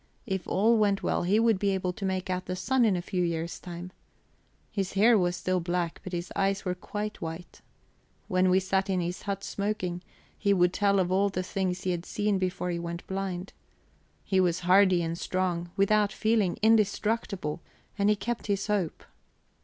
If all went well he would be able to make out the sun in a few years' time. His hair was still black, but his eyes were quite white. When we sat in his hut, smoking, he would tell of all the things he had seen before he went blind. He was hardy and strong; without feeling, indestructible; and he kept his hope.